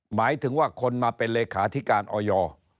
หมายถึงว่าคนมาเป็นเลขาธิการออย